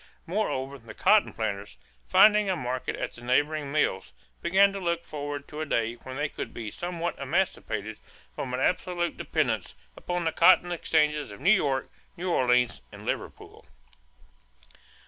Moreover, the cotton planters, finding a market at the neighboring mills, began to look forward to a day when they would be somewhat emancipated from absolute dependence upon the cotton exchanges of New York, New Orleans, and Liverpool.